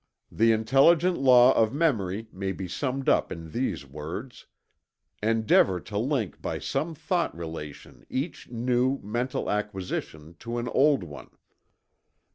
The intelligent law of memory may be summed up in these words: Endeavor to link by some thought relation each new mental acquisition to an old one.